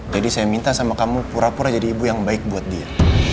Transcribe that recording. jadi saya minta sama kamu pura pura jadi ibu yang baik buat dia